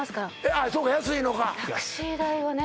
あそうか安いのかタクシー代はね